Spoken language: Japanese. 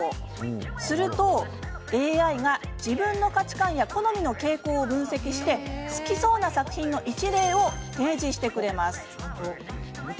すると、ＡＩが自分の価値観や好みの傾向を分析し好きそうな作品の一例を提示してくれます。